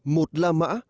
một là mã